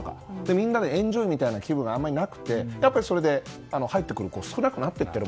みんなでエンジョイみたいな気分はあまりなくてやっぱり、それで入ってくる子が少なくなってる。